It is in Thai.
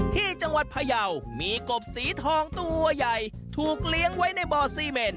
ที่จังหวัดพยาวมีกบสีทองตัวใหญ่ถูกเลี้ยงไว้ในบ่อซีเมน